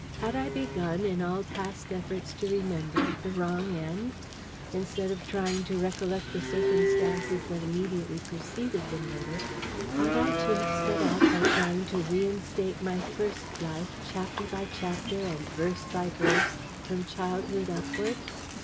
Had I begun, in all past efforts to remember, at the wrong end? Instead of trying to recollect the circumstances that immediately preceded the murder, ought I to have set out by trying to reinstate my First Life, chapter by chapter and verse by verse, from childhood upward?